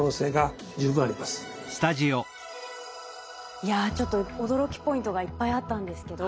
いやちょっと驚きポイントがいっぱいあったんですけど。